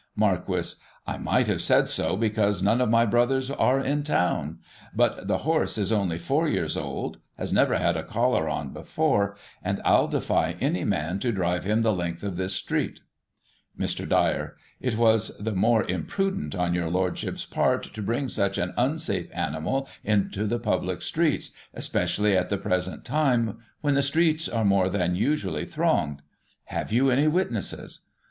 Marquis : I might have said so because none of my brothers are in town. But the horse is only four years old, has never Digiti ized by Google 1838] MARQUIS OF WATERFORD. 61 had a collar on before, and I'll defy any man to drive him the length of this street. Mr. Dyer : It was the more imprudent on your lordship's part to bring such an unsafe animal into the public streets, especially at the present time, when the streets are more than usually thronged Have you any witnesses?